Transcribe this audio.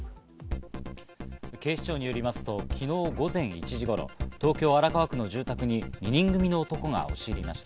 警視庁によりますと昨日午前１時頃、東京・荒川区の住宅に２人組の男が押し入りました。